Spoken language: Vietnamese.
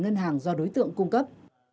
ngân hàng do đối tượng cung cấp